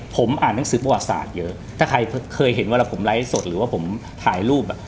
ผมอ่านหนังสือประวัติศาสตร์เยอะถ้าใครเคยเห็นเวลาผมไลฟ์สดหรือว่าผมถ่ายรูปอ่ะ